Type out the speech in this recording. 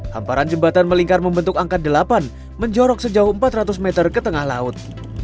hamparan jembatan melingkar membentuk angka delapan menjorok sejauh empat ratus meter ke tengah laut